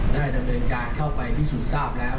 ได้ดำเนินการเข้าไปพิสูจน์ทราบแล้ว